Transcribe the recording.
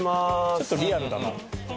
ちょっとリアルだな。